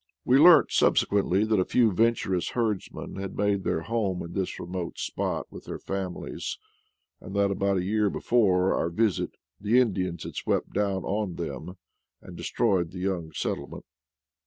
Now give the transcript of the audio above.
We learnt subsequently that a few venturesome herdsmen had made their home in this remote spot with their families, and that about a year before our visit the Indians had swept down on them and destroyed the young settlement.